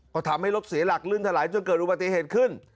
ก็ทำให้รถเสียหลักลื่นถลายจนเกิดอุบัติเหตุขึ้น